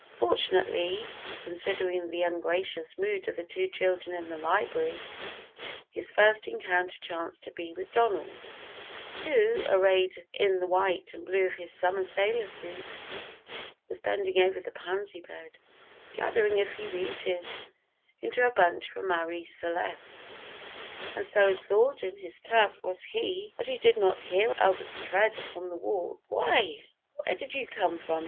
Fortunately, considering the ungracious mood of the two children in the library, his first encounter chanced to be with Donald, who, arrayed in the white and blue of his summer sailor suit, was bending over the pansy bed, gathering a few "beauties" into a bunch for Marie Celeste; and so absorbed in his task was he that he did not hear Albert's tread upon the walk. "Why, where did you come from?"